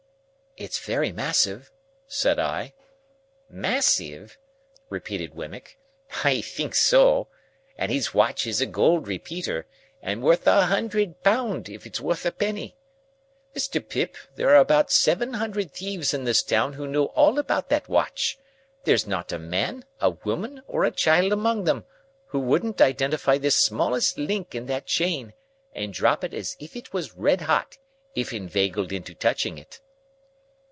"It's very massive," said I. "Massive?" repeated Wemmick. "I think so. And his watch is a gold repeater, and worth a hundred pound if it's worth a penny. Mr. Pip, there are about seven hundred thieves in this town who know all about that watch; there's not a man, a woman, or a child, among them, who wouldn't identify the smallest link in that chain, and drop it as if it was red hot, if inveigled into touching it."